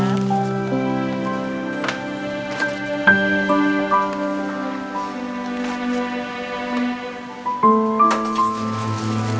buat aja ya